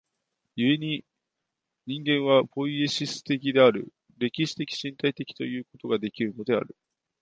故に人間はポイエシス的である、歴史的身体的ということができるのである。